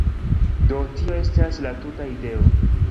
Do, tio estas la tuta ideo